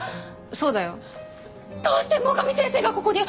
そうだよ。どうして最上先生がここに？